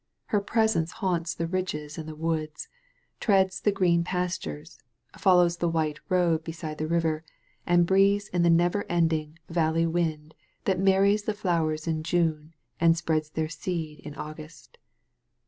Her presence haunts the ridges and the woods* treads the green pastures* follows the white road beside the river* and breathes in the never resting vall^ wind that marries the flowers in June and spreads their seed in August.